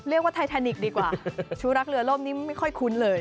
เรียกว่าไททานิกดีกว่าชู้รักเรือร่มนี่ไม่ค่อยคุ้นเลย